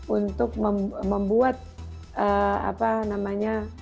untuk membuat revisi